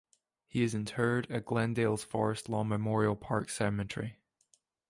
He is interred at Glendale's Forest Lawn Memorial Park Cemetery.